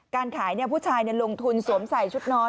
การขายผู้ชายลงทุนสวมใส่ชุดนอน